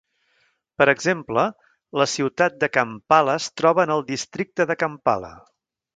Per exemple, la ciutat de Kampala es troba en el Districte de Kampala.